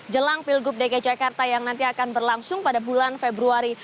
jelang pilgub dki jakarta yang nanti akan berlangsung pada bulan februari dua ribu tujuh belas